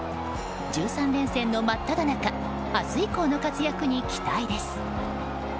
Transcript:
１３連戦の真っただ中明日以降の活躍に期待です。